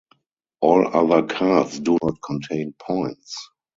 All other cards do not contain points.